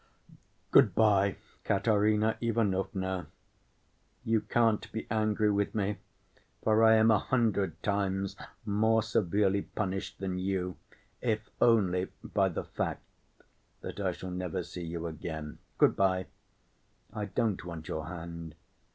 Good‐by, Katerina Ivanovna; you can't be angry with me, for I am a hundred times more severely punished than you, if only by the fact that I shall never see you again. Good‐by! I don't want your hand.